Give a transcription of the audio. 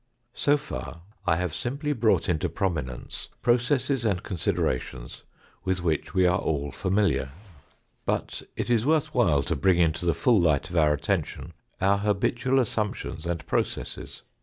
So far I have simply brought into prominence processes and considerations with which we are all familiar. But THE USE OF FOUR DIMENSIONS IN THOUGHT 89 it is worth while to bring into the full light of our atten tion our habitual assumptions and processes.